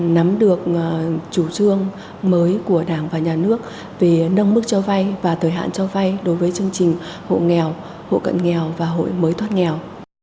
nắm được chủ trương mới của đảng và nhà nước về nâng mức cho vay và thời hạn cho vay đối với chương trình hộ nghèo hộ cận nghèo và hội mới thoát nghèo